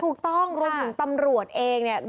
ถูกต้องรวมถึงตำรวจเองเนี่ย